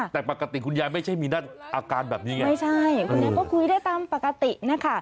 แต่ปกติคุณยายไม่ใช่มีอาการแบบนี้ไงไม่ใช่คุณยายก็คุยได้ตามปกตินะคะ